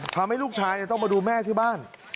ทำให้ลูกชายต้องมาดูแม่ที่บ้าน